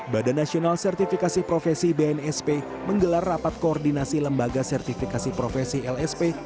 badan nasional sertifikasi profesi bnsp menggelar rapat koordinasi lembaga sertifikasi profesi lsp